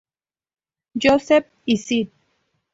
Joseph y St.